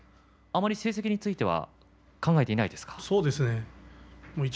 成績については考えていませんか。